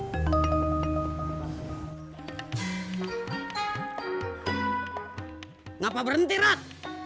kenapa berhenti rat